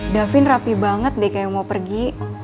davin rapi banget deh kayak mau pergi